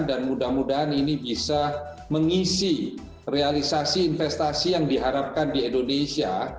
dan mudah mudahan ini bisa mengisi realisasi investasi yang diharapkan di indonesia